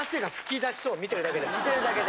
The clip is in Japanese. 観てるだけで。